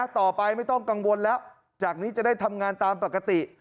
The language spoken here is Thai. ต่อไปไม่ต้องกังวลแล้วจากนี้จะได้ทำงานตามปกติ